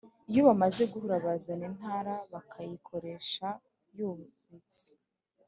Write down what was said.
Iyo bamaze guhura bazana intara bakayiyoresha yubitse